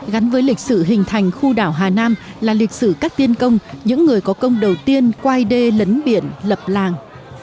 gắn với lịch sử hình thành khu đảo hà nam là lịch sử cách tiên công những người có công đầu tiên quay đê lấn biển lập làng